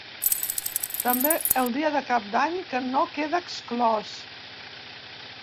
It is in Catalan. També el dia de cap d’any, que no queda exclòs.